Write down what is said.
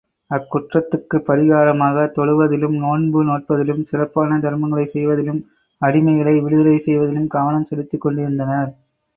அக்குற்றத்துக்குப் பரிகாரமாக, தொழுவதிலும், நோன்பு நோற்பதிலும், சிறப்பான தர்மங்களைச் செய்வதிலும் அடிமைகளை விடுதலை செய்வதிலும் கவனம் செலுத்திக் கொண்டிருந்தனர்.